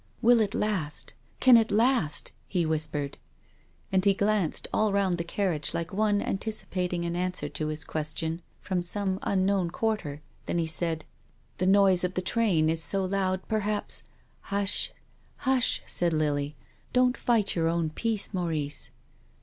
" Will it last — can it last?" he whispered. THE LIVING CHILD. 227 And he glanced all round the carriage like one anticipating an answer to his question from some unknown quarter, then he said :" The noise of the train is so loud, perhaps —" "Hush!" Lily said. "Don't fight your own peace, Maurice."